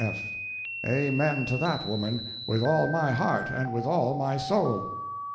F. Amen to that, madam, with all my heart, and with all my soul. A.